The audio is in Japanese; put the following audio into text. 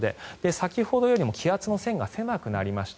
先ほどよりも気圧の線が狭くなりました。